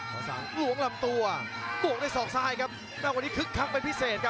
จังหวาดึงซ้ายตายังดีอยู่ครับเพชรมงคล